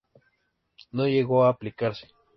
No llegó a aplicarse.